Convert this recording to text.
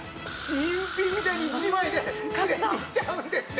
新品みたいに１枚できれいにしちゃうんですね。